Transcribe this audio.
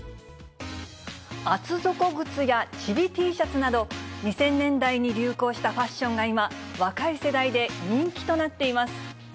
厚底靴やちびＴシャツなど、２０００年代に流行したファッションが今、若い世代で人気となっています。